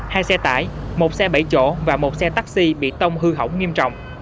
hai xe tải một xe bảy chỗ và một xe taxi bị tông hư hỏng nghiêm trọng